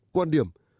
ba quan điểm